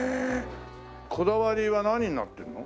こだわりは何になってるの？